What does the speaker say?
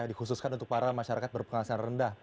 dikhususkan untuk para masyarakat berpenghasilan rendah